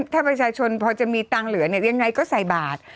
ถ้าประชาชนพอจะมีตังเหลือยังไงก็ใส่บาตร